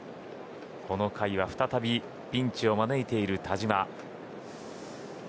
この回は再びピンチを招いている田嶋。